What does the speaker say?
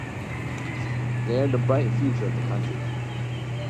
They are the bright future of the country.